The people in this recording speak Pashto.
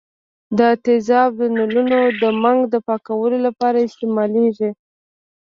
دا تیزاب د نلونو د منګ د پاکولو لپاره استعمالیږي.